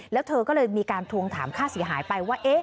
แล้วเธอก็เลยมีการทวงถามค่าเสียหายไปว่า